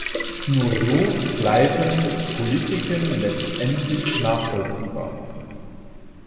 Nur so bleiben Politiken letztendlich nachvollziehbar.